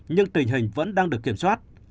nhưng tình hình vẫn đang được kiểm soát